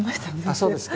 そうですか。